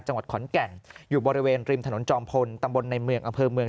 จังหวัดขอนแก่นอยู่บริเวณริมถนนจอมพลตำบลในเมือง